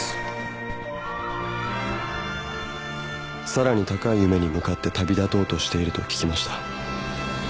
「さらに高い夢に向かって旅立とうとしていると聞きました」